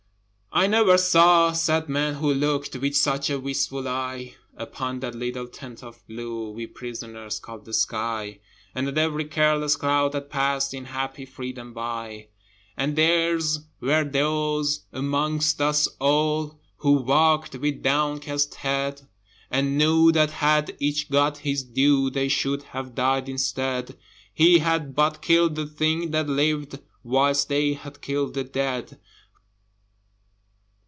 I never saw sad men who looked With such a wistful eye Upon that little tent of blue We prisoners called the sky, And at every careless cloud that passed In happy freedom by. But their were those amongst us all Who walked with downcast head, And knew that, had each got his due, They should have died instead: He had but killed a thing that lived Whilst they had killed the dead.